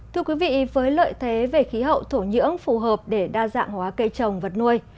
thưa quý vị với lợi thế về khí hậu thổ nhưỡng phù hợp để đa dạng hóa cây trồng vật nuôi